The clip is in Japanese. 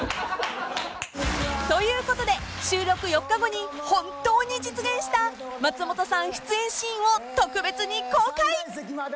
［ということで収録４日後に本当に実現した松本さん出演シーンを特別に公開］